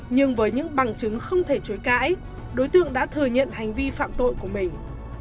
nhưng với những bằng chứng không thể chối cãi đối tượng đã thừa nhận hành vi phạm tội của mình